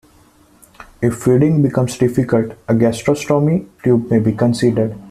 If feeding becomes difficult, a gastrostomy tube may be considered.